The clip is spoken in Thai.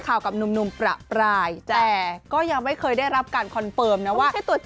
กับหนุ่มประปรายแต่ก็ยังไม่เคยได้รับการคอนเฟิร์มนะว่า